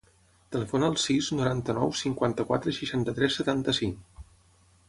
Telefona al sis, noranta-nou, cinquanta-quatre, seixanta-tres, setanta-cinc.